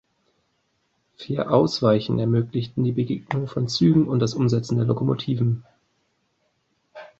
Vier Ausweichen ermöglichten die Begegnung von Zügen und das Umsetzen der Lokomotiven.